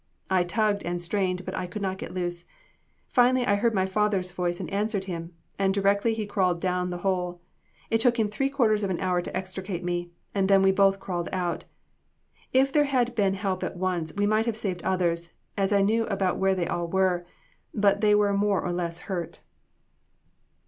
I tugged and strained, but I could not get loose. Finally, I heard my father's voice, and answered him; and directly he crawled down the hole. It took him three quarters of an hour to extricate me, and then we both crawled out. If there had been help at once, we might have saved others, as I knew about where they all were, but they were more or less hurt."